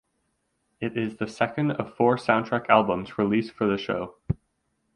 It is the second of four soundtrack albums released for the show.